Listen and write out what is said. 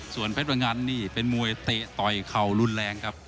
ส่วนเพชรพงันนี่เป็นมวยเตะต่อยเข่ารุนแรงครับ